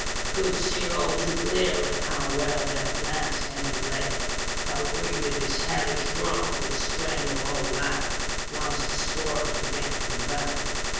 I could see all too clearly how well their plans had been laid; how quickly this hellish growth would strangle all life, once its spores began to develop.